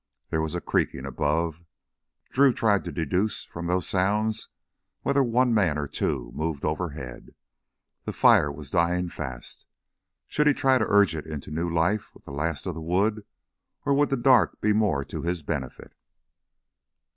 There was a creaking above. Drew tried to deduce from those sounds whether one man or two moved overhead. The fire was dying fast. Should he try to urge it into new life with the last of the wood, or would the dark be more to his benefit?